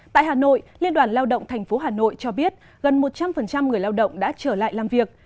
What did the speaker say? tại hà nội liên đoàn lao động tp hà nội cho biết gần một trăm linh người lao động đã trở lại làm việc